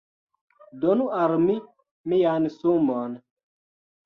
Donu al mi mian sumon!